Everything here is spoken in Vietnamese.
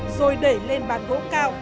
rồi để lên bàn gỗ cao